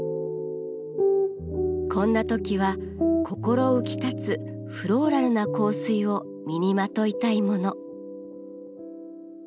こんな時は心浮きたつフローラルな香水を身にまといたいもの。